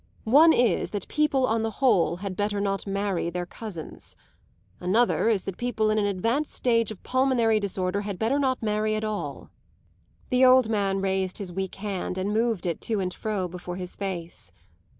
One is that people, on the whole, had better not marry their cousins. Another is that people in an advanced stage of pulmonary disorder had better not marry at all." The old man raised his weak hand and moved it to and fro before his face.